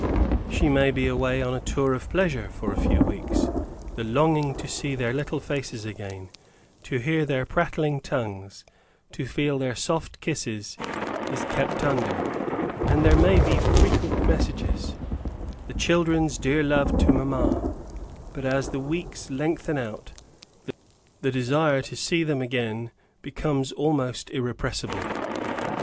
She may be away on a tour of pleasure for a few weeks; the longing to see their little faces again, to hear their prattling tongues, to feel their soft kisses, is kept under; and there may be frequent messages, "The children's dear love to mamma;" but as the weeks lengthen out, the desire to see them again becomes almost irrepressible.